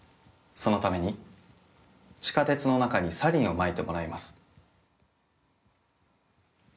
そのために地下鉄の中にサリンをまいてもらいます。